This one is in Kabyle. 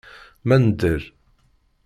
Ma nedder.